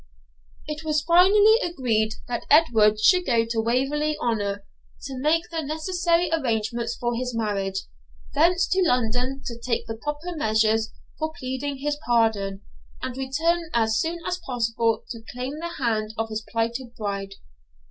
It was finally arranged that Edward should go to Waverley Honour to make the necessary arrangements for his marriage, thence to London to take the proper measures for pleading his pardon, and return as soon as possible to claim the hand of his plighted bride.